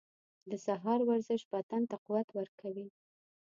• د سهار ورزش بدن ته قوت ورکوي.